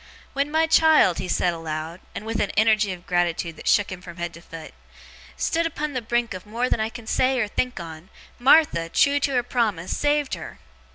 When my child,' he said aloud, and with an energy of gratitude that shook him from head to foot, 'stood upon the brink of more than I can say or think on Martha, trew to her promise, saved her.